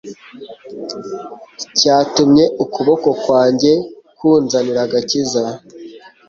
cyatumye ukuboko kwanjye kunzanira agakiza